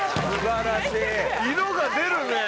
色が出るね！